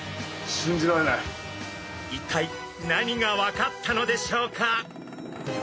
一体何が分かったのでしょうか？